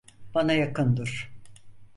Bana yakın dur.